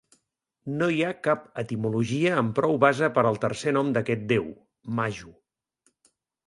No hi ha cap etimologia amb prou base per al tercer nom d'aquest déu, Maju.